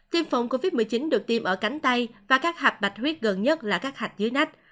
tiêm phòng covid một mươi chín được tiêm ở cánh tay và các hạt bạch huyết gần nhất là các hạt dưới nách